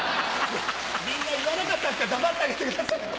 みんな言わなかったんですから黙ってあげてください。